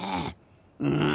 うん。